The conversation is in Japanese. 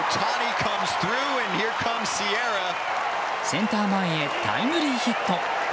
センター前へタイムリーヒット。